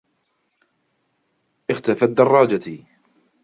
اختفت دراجتي.